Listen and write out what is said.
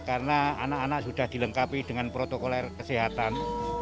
karena anak anak sudah dilengkapi dengan protokol kesehatan